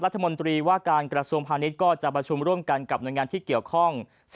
รัฐมนตรีว่าการกระทรวงพาณิชย์ก็จะประชุมร่วมกันกับหน่วยงานที่เกี่ยวข้อง